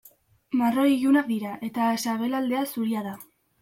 Marroi ilunak dira, eta sabelaldea zuria da.